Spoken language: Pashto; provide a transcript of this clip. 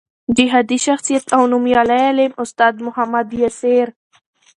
جهادي شخصیت او نومیالی عالم استاد محمد یاسر